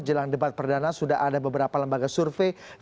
jelang debat perdana sudah ada beberapa lembaga survei